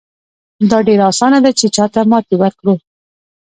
دا ډېره اسانه ده چې چاته ماتې ورکړو.